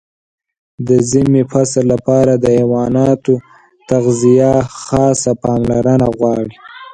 د ژمي فصل لپاره د حیواناتو تغذیه خاصه پاملرنه غواړي.